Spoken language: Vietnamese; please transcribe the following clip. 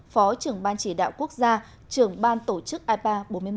phó trưởng ban chỉ đạo quốc gia trưởng ban tổ chức ipa bốn mươi một